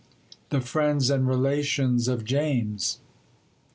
THE FRIENDS AND RELATIONS OF JAMES.